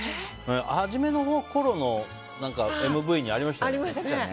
初めのころのＭＶにありましたよね。